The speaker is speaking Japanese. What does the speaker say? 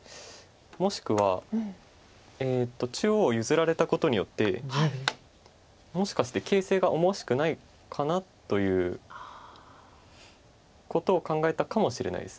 もしくは中央譲られたことによってもしかして形勢が思わしくないかなということを考えたかもしれないです。